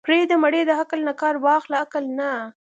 پرېده مړې د عقل نه کار واخله عقل نه.